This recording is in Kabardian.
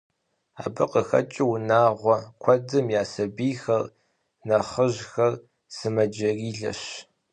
Абы къыхэкӏыу унагъуэ куэдым я сабийхэр, нэхъыжьхэр сымаджэрилэщ.